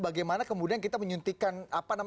bagaimana kemudian kita menyuntikkan